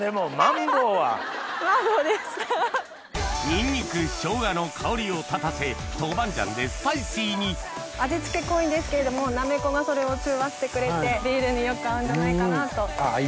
ニンニクしょうがの香りを立たせ豆板醤でスパイシーに味付け濃いんですけれどもなめこがそれを中和してくれてビールによく合うんじゃないかなと。